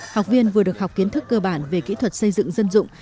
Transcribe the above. học viên vừa được học kiến thức cơ bản về kỹ thuật xây dựng dân dụng